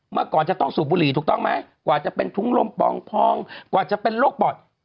เมื่อก่อนจะต้องสูบบุหรี่ถูกต้องไหมกว่าจะเป็นถุงลมปองพองกว่าจะเป็นโรคปอด